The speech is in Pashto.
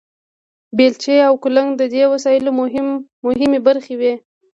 بیلچې او کلنګ د دې وسایلو مهمې برخې وې.